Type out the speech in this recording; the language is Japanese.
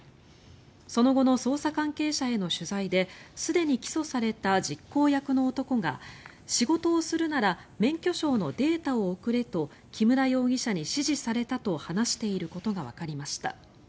その後の捜査関係者への取材ですでに起訴された実行役の男が仕事をするなら免許証のデータを送れと木村容疑者に指示されたと話していることがわかりました。